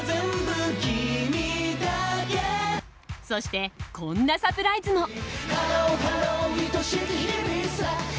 そして、こんなサプライズも。